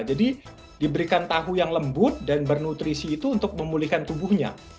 diberikan tahu yang lembut dan bernutrisi itu untuk memulihkan tubuhnya